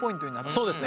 そうですね。